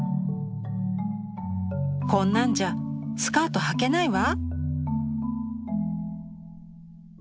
「こんなんじゃスカートはけないわ」。